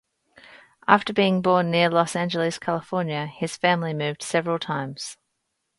After being born near Los Angeles, California, his family moved several times.